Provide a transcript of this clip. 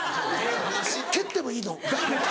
蹴ってもいいの？